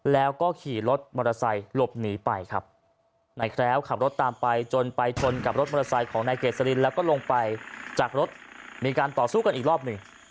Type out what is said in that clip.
แล้วก็ขี่รถมอเตอร์ไซค์หลบหนีไปครับนายแคล้วขับรถตามไปจนไปชนกับรถมอเตอร์ไซค์ของนายเกษลินแล้วก็ลงไปจากรถมีการต่อสู้กันอีกรอบหนึ่ง